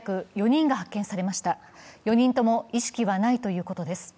４人とも意識はないということです